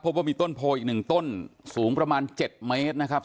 เพราะว่ามีต้นโพลอีกหนึ่งต้นสูงประมาณ๗เมตรนะครับ